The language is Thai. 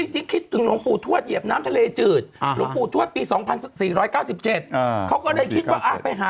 ที่คิดถึงหลวงปู่ทวดเหยียบน้ำทะเลจืดหลวงปู่ทวดปี๒๔๙๗เขาก็เลยคิดว่าไปหา